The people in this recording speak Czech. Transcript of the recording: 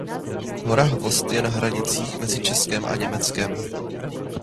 Hora Hvozd je na hranicích mezi Českem a Německem.